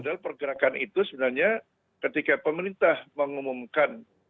padahal pergerakan itu sebenarnya ketika pemerintah mengumumkan